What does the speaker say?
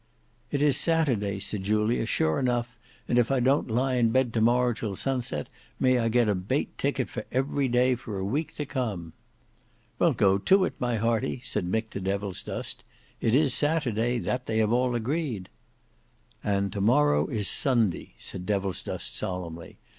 "It is Saturday," said Julia, "sure enough; and if I don't lie in bed to morrow till sunset, may I get a bate ticket for every day for a week to come." "Well, go it my hearty," said Mick to Devilsdust. "It is Saturday, that they have all agreed." "And to morrow is Sunday," said Devilsdust solemnly.